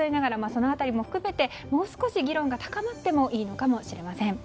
その辺りも含めてもう少し議論が高まってもいいのかもしれません。